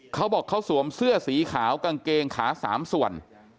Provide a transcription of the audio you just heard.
เขาบอกเขาสวมเสื้อสีขาวกางเกงขา๓ส่วน